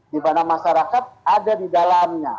di mana masyarakat ada di dalamnya